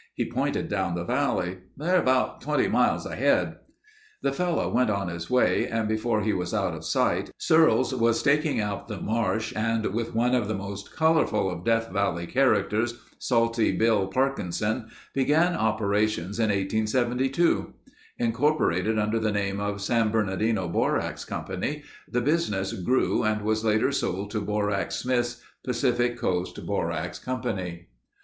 He pointed down the valley. "They're about 20 miles ahead...." The fellow went on his way and before he was out of sight, Searles was staking out the marsh and with one of the most colorful of Death Valley characters, Salty Bill Parkinson, began operations in 1872. Incorporated under the name of San Bernardino Borax Company, the business grew and was later sold to Borax Smith's Pacific Coast Borax Company.